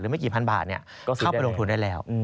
ไม่กี่พันบาทก็เข้าไปลงทุนได้แล้ว